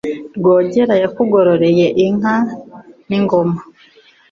Rwogera yakugororeye inka n'ingoma,